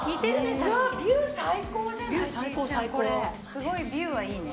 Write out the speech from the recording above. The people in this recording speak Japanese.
すごいビューはいいね。